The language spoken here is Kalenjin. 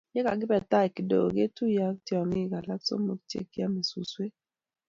Ye kikibe tai kidogo ketuye tiong'ik alak somok che kiame suswek